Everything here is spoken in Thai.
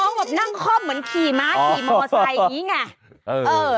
โดทาน้องแบบนั่งข้อมเหมือนขี่ม้าขี่มอเมอชัยอย่างงี้ไง